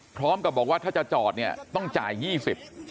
พร้อมกับบอกว่าถ้าจะจอดเนี่ยต้องจ่าย๒๐บาท